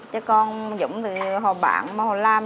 chứ còn giống như họ bán mà họ làm